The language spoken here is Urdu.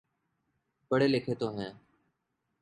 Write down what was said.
پڑھے لکھے تو ہیں۔